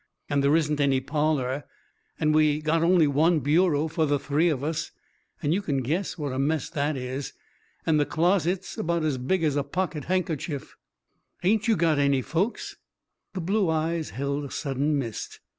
And there isn't any parlour, and we got only one bureau for the three of us, and you can guess what a mess that is. And the closet's about as big as a pocket handkerchief." "Ain't you got any folks?" The blue eyes held a sudden mist.